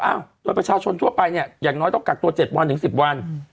โดยประชาชนทั่วไปเนี่ยอย่างน้อยต้องกักตัว๗วันถึง๑๐วัน